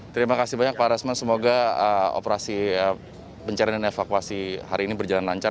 terima kasih banyak pak rasman semoga operasi pencarian dan evakuasi hari ini berjalan lancar